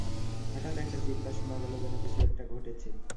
হঠাত একটা চিৎকার শোনা গেল যেন কিছু একটা ঘটেছে।